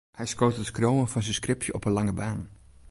Hy skoot it skriuwen fan syn skripsje op 'e lange baan.